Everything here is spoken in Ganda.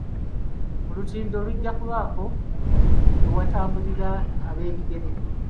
Olutindo lujja kubaako ewatambulira ab'ebigere.